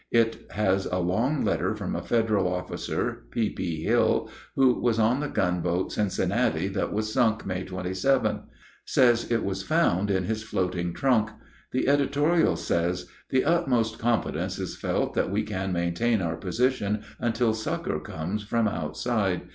It has a long letter from a Federal officer, P.P. Hill, who was on the gunboat Cincinnati, that was sunk May 27. Says it was found in his floating trunk. The editorial says, "The utmost confidence is felt that we can maintain our position until succor comes from outside.